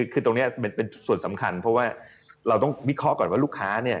คือตรงนี้เป็นส่วนสำคัญเพราะว่าเราต้องวิเคราะห์ก่อนว่าลูกค้าเนี่ย